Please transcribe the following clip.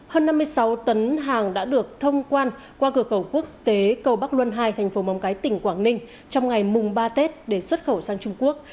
hơn năm mươi sáu tấn hàng đã được thông quan qua cửa khẩu quốc tế cầu bắc luân hai thành phố móng cái tỉnh quảng ninh trong ngày mùng ba tết để xuất khẩu sang trung quốc